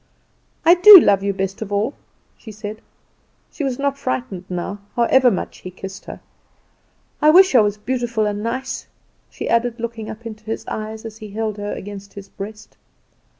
"I do love you best of all," she said. She was not frightened now, however much he kissed her. "I wish I was beautiful and nice," she added, looking up into his eyes as he held her against his breast.